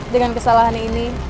dengan kesalahan ini